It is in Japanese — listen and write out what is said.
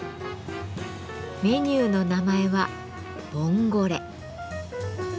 メニューの名前は「ボンゴレ」。